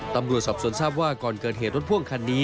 ตำรวจสอบสวนทราบว่าก่อนเกิดเหตุรถพ่วงคันนี้